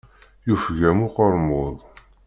Yufeg-am uqermud.